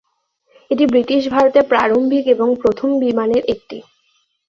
এটি ব্রিটিশ ভারতে প্রারম্ভিক এবং প্রথম বিমানের একটি।